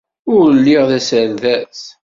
Ur lliɣ d aserdas.